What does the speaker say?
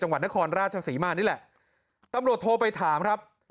จังหวัดนครราชศรีมานี่แหละตำรวจโทรไปถามครับ